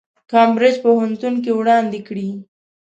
کمبریج پوهنتون کې وړاندې کړي.